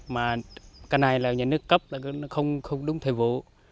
mà cái này là nhà nước cấp là không đúng thời vụ